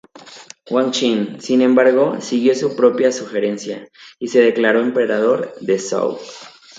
Wang Chien, sin embargo, siguió su propia sugerencia y se declaró emperador de Zhou.